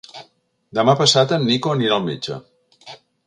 Demà passat en Nico anirà al metge.